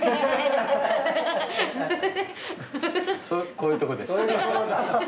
こういうところだ。